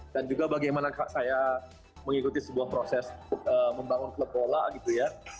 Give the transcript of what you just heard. dan juga bagaimana saya mengikuti sebuah proses membangun klub bola gitu ya